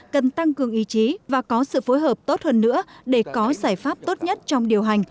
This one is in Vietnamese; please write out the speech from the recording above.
cần tăng cường ý chí và có sự phối hợp tốt hơn nữa để có giải pháp tốt nhất trong điều hành